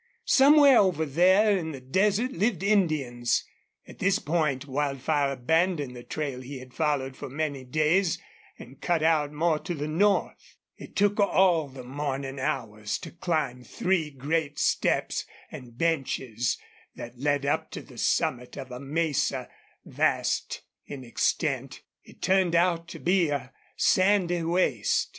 Somewhere over there in the desert lived Indians. At this point Wildfire abandoned the trail he had followed for many days and cut out more to the north. It took all the morning hours to climb three great steps and benches that led up to the summit of a mesa, vast in extent. It turned out to be a sandy waste.